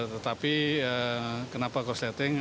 tetapi kenapa kursleting